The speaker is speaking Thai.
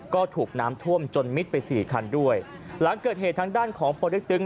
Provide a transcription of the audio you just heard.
ก็ถูกน้ำท่วมจนมิดไปสี่คันด้วยหลังเกิดเหตุทางด้านของปเล็กตึง